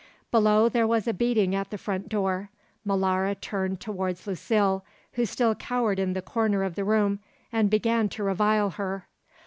Below there was a beating at the front door. Molara turned towards Lucile, who still cowered in the corner of the room, and began to revile her.